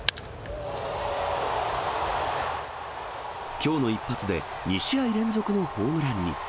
きょうの一発で、２試合連続のホームランに。